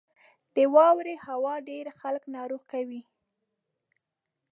• د واورې هوا ډېری خلک ناروغ کوي.